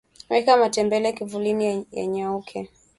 weka matembele kivulini yanyauke